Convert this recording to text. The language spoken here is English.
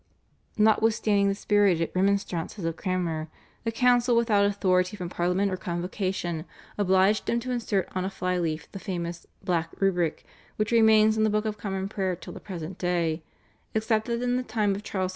Notwithstanding the spirited remonstrances of Cranmer, the council without authority from Parliament or Convocation obliged him to insert on a fly leaf the famous "Black Rubric" which remains in the Book of Common Prayer till the present day, except that in the time of Charles II.